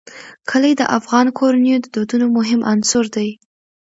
کلي د افغان کورنیو د دودونو مهم عنصر دی.